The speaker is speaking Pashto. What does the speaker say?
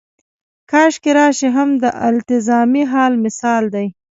کاشکې راشي هم د التزامي حال مثال دی.